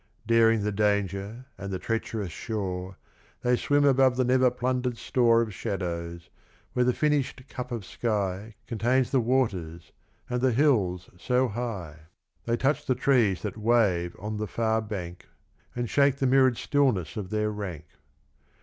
Daring the danger and the treacherous shore, They swim above the never plundered store Of shadows, where the finished cup of sky Contains the waters, and the hills so high, They touch the trees that wave on the far bank, And shake the mirrored stillness of their rank.